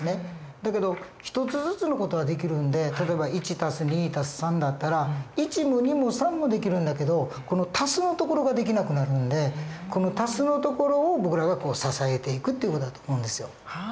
だけど一つずつの事はできるんで例えば１＋２＋３だったら１も２も３もできるんだけどこの＋のところができなくなるんでこの＋のところを僕らが支えていくっていう事だと思うんですよ。